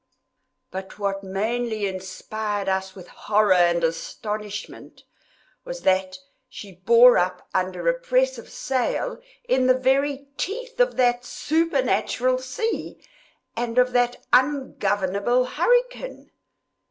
But what mainly inspired us with horror and astonishment, was that she bore up under a press of sail in the very teeth of that supernatural sea, and of that ungovernable hurricane.